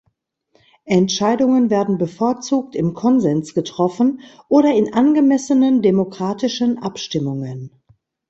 Entscheidungen werden bevorzugt im Konsens getroffen oder in angemessenen demokratischen Abstimmungen.